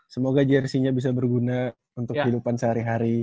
semoga jersey nya bisa berguna untuk kehidupan sehari hari